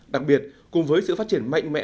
đặc biệt cùng với sự phát triển mạnh mẽ